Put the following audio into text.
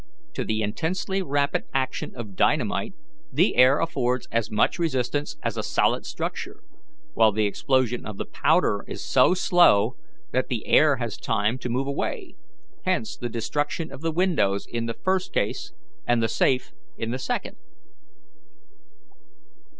To the intensely rapid action of dynamite the air affords as much resistance as a solid substance, while the explosion of the powder is so slow that the air has time to move away; hence the destruction of the windows in the first case, and the safe in the second."